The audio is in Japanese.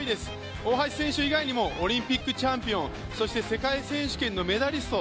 大橋選手以外にもオリンピックチャンピオン世界選手権のメダリスト